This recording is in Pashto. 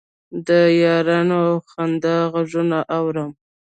د یارانو د خندا غـــــــــــــــــږونه اورم